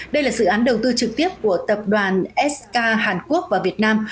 đây là dự án đầu tư trực tiếp của tập đoàn sk hàn quốc và việt nam